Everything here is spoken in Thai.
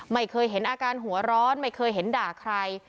ไม่เคยเห็นอาการหัวร้อนไม่เคยเห็นด่าใคร